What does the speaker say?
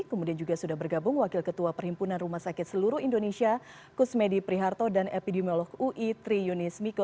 kemudian juga sudah bergabung wakil ketua perhimpunan rumah sakit seluruh indonesia kusmedi priharto dan epidemiolog ui tri yunis miko